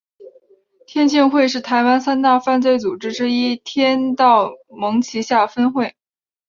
天庆会是台湾三大犯罪组织之一天道盟旗下分会。